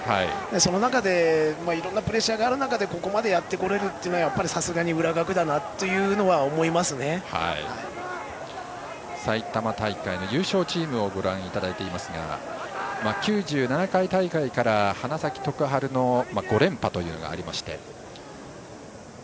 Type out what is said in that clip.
その中で、いろいろなプレッシャーがある中ここまでやってこれるのはやっぱりさすがに埼玉大会の優勝チームをご覧いただいていますが９７回大会から花咲徳栄の５連覇というのがありまして。